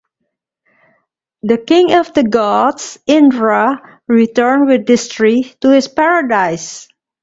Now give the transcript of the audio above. The king of the gods, Indra, returned with this tree to his paradise.